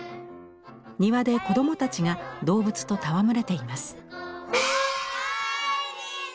庭で子どもたちが動物と戯れています。